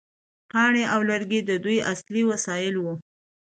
کاڼي او لرګي د دوی اصلي وسایل وو.